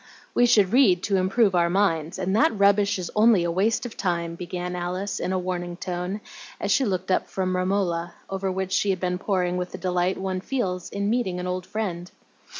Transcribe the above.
"We should read to improve our minds, and that rubbish is only a waste of time," began Alice, in a warning tone, as she looked up from "Romola," over which she had been poring with the delight one feels in meeting an old friend.